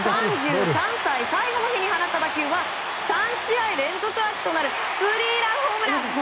３３歳、最後の日に放った打球は３試合連続アーチとなるスリーランホームラン！